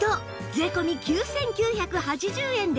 税込９９８０円です